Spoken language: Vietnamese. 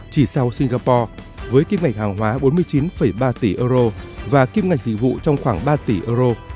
chỉ sau singapore với kim ngạch hàng hóa bốn mươi chín ba tỷ euro và kim ngạch dịch vụ trong khoảng ba tỷ euro